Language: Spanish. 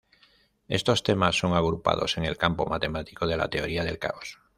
Estos temas son agrupados en el campo matemático de la teoría del caos.